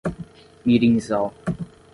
Mirinzal